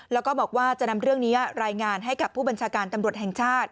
แล้วก็บอกว่าจะนำเรื่องนี้รายงานให้กับผู้บัญชาการตำรวจแห่งชาติ